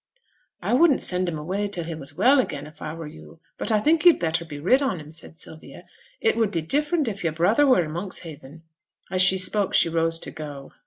'I wouldn't send him away till he was well again, if I were yo; but I think yo'd be better rid on him,' said Sylvia. 'It would be different if yo'r brother were in Monkshaven.' As she spoke she rose to go.